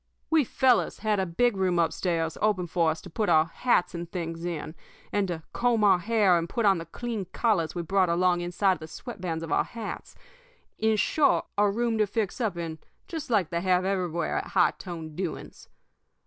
We fellows had a big room up stairs opened up for us to put our hats and things in, and to comb our hair and put on the clean collars we brought along inside the sweat bands of our hats in short, a room to fix up in just like they have everywhere at high toned doings.